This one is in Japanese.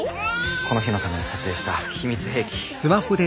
この日のために撮影した秘密兵器。